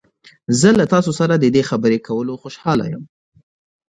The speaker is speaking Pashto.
زه له تاسو سره د دې خبرې کولو خوشحاله یم.